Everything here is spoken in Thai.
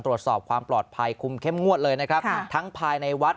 ตรวจสอบความปลอดภัยคุมเข้มงวดเลยนะครับทั้งภายในวัด